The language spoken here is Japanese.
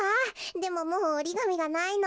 でももうおりがみがないの。